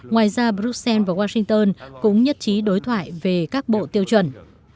ngoài ra bruxelles và washington cũng nhất trí đối thoại về các bộ tiêu chuẩn